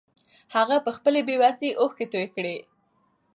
هغه په خپلې بې وسۍ اوښکې توې کړې.